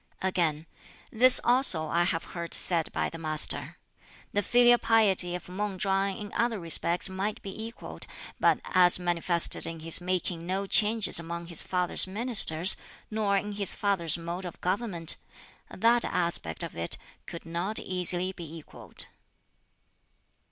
'" Again, "This also I have heard said by the Master: 'The filial piety of Mang Chwang in other respects might be equalled, but as manifested in his making no changes among his father's ministers, nor in his father's mode of government that aspect of it could not easily be equalled.'"